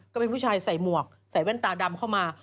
ก็เป็นผู้ชายใส่หมวกใส่แว่นตาดำเข้ามา